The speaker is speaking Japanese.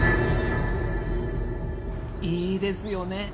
いいですよね